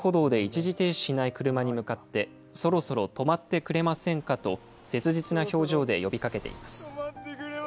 過去３作にすべて出演してきた男性が、横断歩道で一時停止しない車に向かって、そろそろ止まってくれませんかと、切実な表情で呼びかけています。